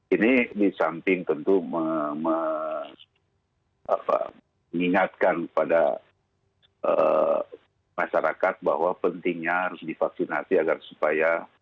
ini di samping tentu mengingatkan kepada masyarakat bahwa pentingnya harus divaksinasi agar supaya